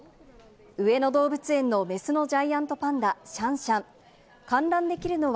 上野動物園のメスのジャイアントパンダ、シャンシャン。